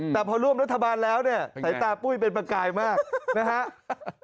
แต่พอร่วมรัฐบาลแล้วเนี่ยสายตาปุ้ยเป็นประกายมากนะครับ